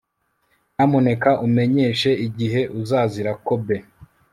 Nyamuneka umenyeshe igihe uzazira Kobe